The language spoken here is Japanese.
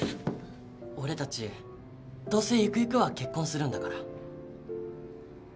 俺たちどうせ行く行くは結婚するんだから。